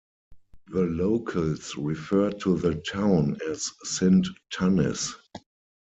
The locals refer to the town as "Sint Tunnis".